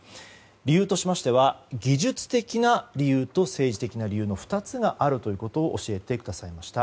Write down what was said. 理由としては技術的な理由と政治的な理由の２つがあると教えてくれました。